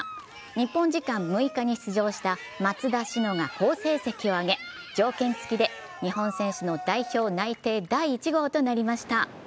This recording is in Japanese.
日本時間の６日に出場した松田詩野が好成績を挙げ、条件付きで日本選手の代表内定第１号となりました。